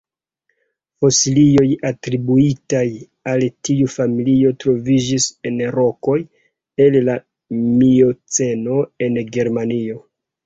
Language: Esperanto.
Fosilioj atribuitaj al tiu familio troviĝis en rokoj el la Mioceno en Germanio.